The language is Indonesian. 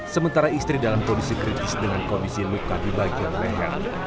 sementara istri dalam kondisi kritis dengan kondisi luka di bagian leher